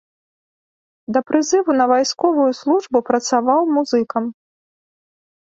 Да прызыву на вайсковую службу працаваў музыкам.